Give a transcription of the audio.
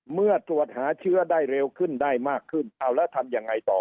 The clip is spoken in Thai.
เมื่อตรวจหาเชื้อได้เร็วขึ้นได้มากขึ้นเอาแล้วทำยังไงต่อ